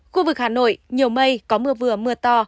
khu vực hà nội nhiều mây có mưa vừa mưa to